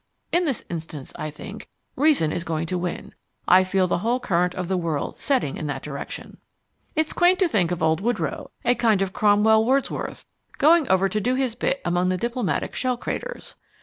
In this instance, I think, Reason is going to win. I feel the whole current of the world setting in that direction. It's quaint to think of old Woodrow, a kind of Cromwell Wordsworth, going over to do his bit among the diplomatic shell craters.